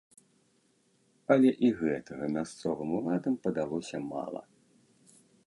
Але і гэтага мясцовым уладам падалося мала.